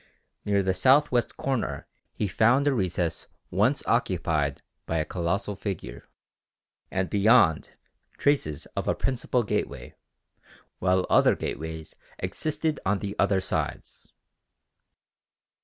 Near the south west corner he found a recess once occupied by a colossal figure and beyond traces of a principal gateway, while other gateways existed on the other sides.